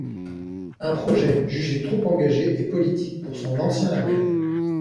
Un projet jugé trop engagé et politique pour son ancien label.